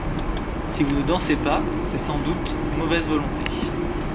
Si vous ne dansez pas, c’est sans doute mauvaise volonté.